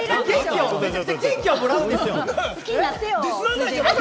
それでもめちゃくちゃ元気はもらうんですよ。